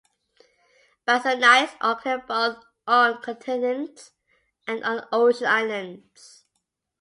Basanites occur both on continents and on ocean islands.